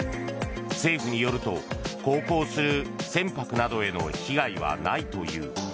政府によると航行する船舶などへの被害はないという。